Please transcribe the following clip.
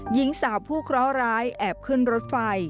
หญิงสาวผู้เคราะหร้ายแอบขึ้นรถไฟ